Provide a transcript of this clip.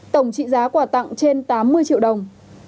tổng trị giá quà tặng trên tám mươi triệu đồng